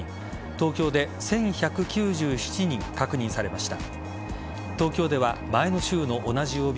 東京で１１９７人確認されました。